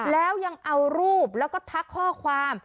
แล้วยังเอารูปแล้วก็ทักข้อความ